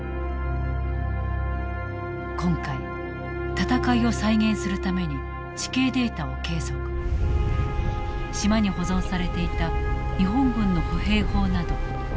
今回戦いを再現するために地形データを計測島に保存されていた日本軍の歩兵砲など戦闘の手がかりを集めた。